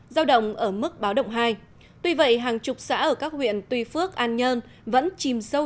giao động ở mức báo động hai tuy vậy hàng chục xã ở các huyện tuy phước an nhơn vẫn chìm sâu